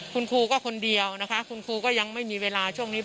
คุณครูก็คนเดียวนะคะคุณครูก็ยังไม่มีเวลาช่วงนี้